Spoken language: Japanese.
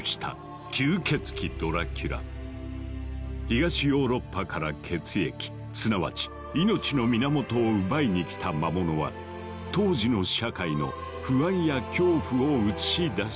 東ヨーロッパから血液すなわち命の源を奪いに来た魔物は当時の社会の不安や恐怖を映し出していたのだ。